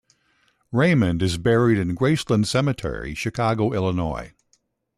Raymond is buried in Graceland Cemetery, Chicago, Illinois.